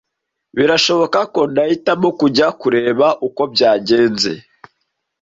Birashoboka ko nahitamo kujya kureba uko byagenze.